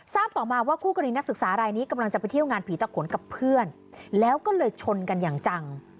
ต่อมาว่าคู่กรณีนักศึกษารายนี้กำลังจะไปเที่ยวงานผีตะขนกับเพื่อนแล้วก็เลยชนกันอย่างจัง